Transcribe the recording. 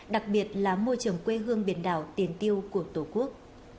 đặc biệt là môi trường quê hương biển đảo tiền tiêu của tổ quốc